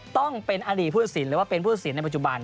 ต้องเป็นอดีตผู้ตัดสินหรือว่าเป็นผู้ตัดสินในปัจจุบัน